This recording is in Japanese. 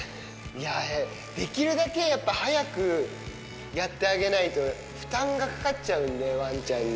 いや、できるだけ、やっぱり、早くやってあげないと、負担がかかっちゃうんで、わんちゃんに。